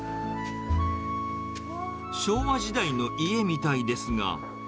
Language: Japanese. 昭和時代の家みたいですが。